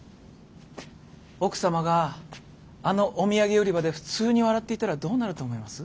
奥様があのお土産売り場で普通に笑っていたらどうなると思います？